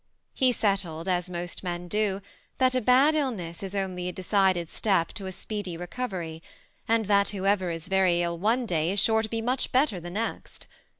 He settled, as most men do, that a bad illness is only a de cided step to a speedy recovery ; and that whoever is very ill one day, is sure to be much better the next.